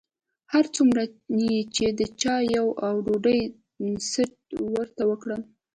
هر څومره یې چې د چایو او ډوډۍ ست ورته وکړ.